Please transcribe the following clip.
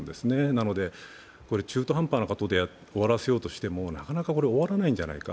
なので、中途半端なことで終わらせようとしてもなかなか終わらないんじゃないか。